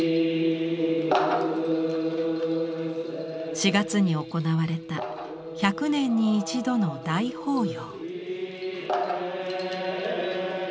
４月に行われた１００年に一度の大法要。